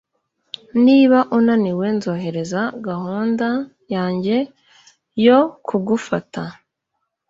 niba unaniwe nzohereza gahunda yanjye yo kugufata